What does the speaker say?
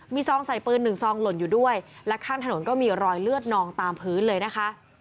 มีซองใส่ปืนหนึ่งซองหล่นอยู่ด้วยและข้างถนนก็มีรอยเลือดนองตามพื้นเลยนะคะ